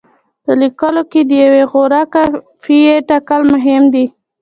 په لیکلو کې د یوې غوره قافیې ټاکل مهم دي.